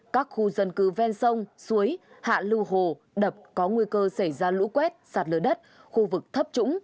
các khu dân cư ven sông suối hạ lưu hồ đập có nguy cơ xảy ra lũ quét sạt lở đất khu vực thấp trũng